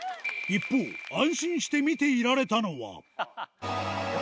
一方、安心して見ていられたのは。